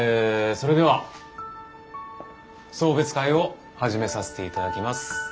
それでは送別会を始めさせていただきます。